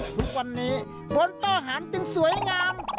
ทุกวันนี้บนข้างสวยงาม